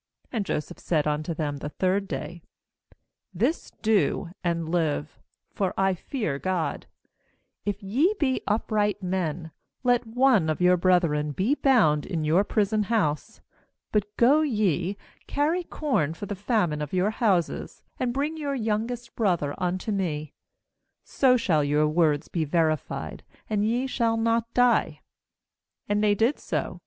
18And Joseph said unto them the third day: 'This do, and live; for I fear God: 19if ye be upright men, let one of your brethren be bound in your prison house; but go ye, carry corn for the famine of your houses; 20and bring your youngest brother unto me; so shall your words be verified, and ye shall not die/ And they did so.